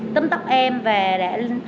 tấm tóc em và đã